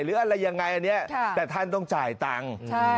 หรืออะไรยังไงอันนี้แต่ท่านต้องจ่ายตังค์